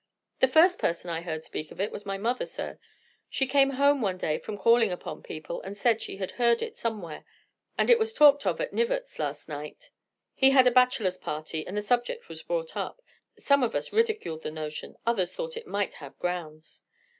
"The first person I heard speak of it was my mother, sir. She came home one day from calling upon people, and said she had heard it somewhere. And it was talked of at Knivett's last night. He had a bachelors' party, and the subject was brought up. Some of us ridiculed the notion; others thought it might have grounds."